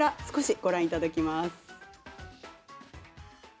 少しご覧いただきます。